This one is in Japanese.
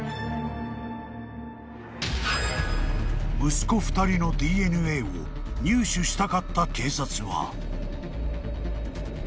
［息子二人のＤＮＡを入手したかった警察は］